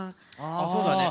あそうね。